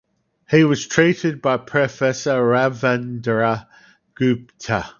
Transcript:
He was treated by Professor Ravindra Gupta.